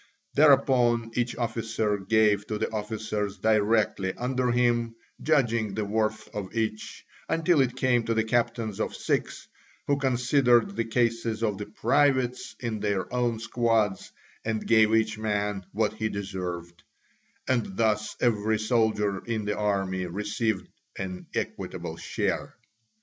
Thereupon each officer gave to the officers directly under him, judging the worth of each, until it came to the captains of six, who considered the cases of the privates in their own squads, and gave each man what he deserved: and thus every soldier in the army received an equitable share.